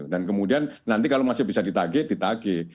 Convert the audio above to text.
dan kemudian nanti kalau masih bisa di tagih di tagih